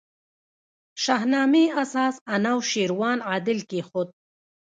شاهنامې اساس انوشېروان عادل کښېښود.